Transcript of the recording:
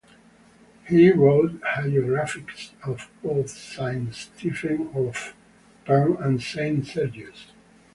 He wrote hagiographies of both Saint Stephen of Perm and Saint Sergius.